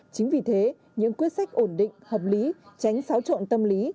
chính vì thế những quyết sách ổn định hợp lý tránh xáo trộn tâm lý